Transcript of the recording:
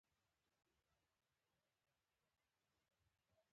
ټولې هڅې ازادي غوښتنې او مبارزو ته وقف شوې.